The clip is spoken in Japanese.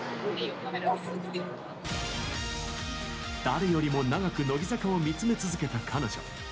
誰よりも長く乃木坂を見つめ続けた彼女。